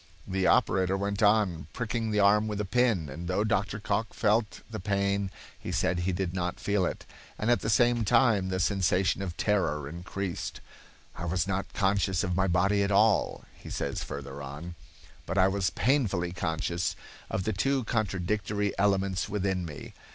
The operator went on, pricking the arm with a pin, and though Dr. Cocke felt the pain he said he did not feel it, and at the same time the sensation of terror increased. "I was not conscious of my body at all," he says further on, "but I was painfully conscious of the two contradictory elements within me.